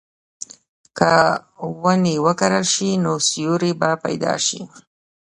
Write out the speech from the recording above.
که ونې وکرل شي، نو سیوری به پیدا شي.